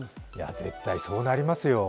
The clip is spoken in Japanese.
絶対、そうなりますよ。